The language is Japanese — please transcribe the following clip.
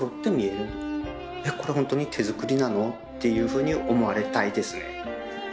えっこれホントに手作りなの？っていうふうに思われたいですね